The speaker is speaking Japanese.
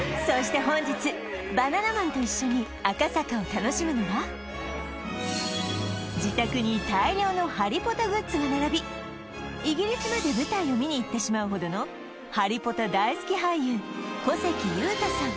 そして本日自宅に大量のハリポタグッズが並びイギリスまで舞台を見に行ってしまうほどのハリポタ大好き俳優小関裕太さん